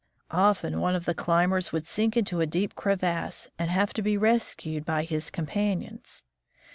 Often one of the climbers would sink into a deep crevasse and have to be rescued by his companions.